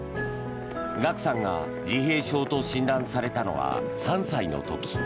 ＧＡＫＵさんが自閉症と診断されたのは３歳の時。